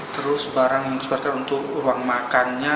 terus barang yang disebarkan untuk uang makannya